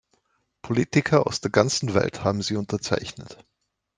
Politiker aus der ganzen Welt haben sie unterzeichnet.